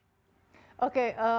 nah untuk kemudian meningkatkan